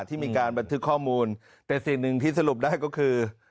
ที่มีการบันทึกข้อมูลแต่สิ่งหนึ่งที่สรุปได้ก็คือ